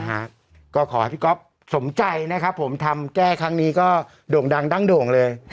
ฮะก็ขอให้พี่ก๊อฟสมใจนะครับผมทำแก้ครั้งนี้ก็โด่งดังดั้งโด่งเลย